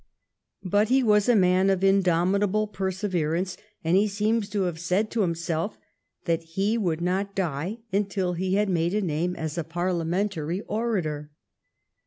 But he was a man of indomitable perseverance, and he seems to have said to himself that he would not die until he had made a name as a Parliamentary ora tor.